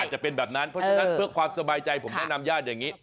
จะเป็นแบบนั้นเพราะฉะนั้นเพื่อความสบายใจผมแนะนำญาติอย่างนี้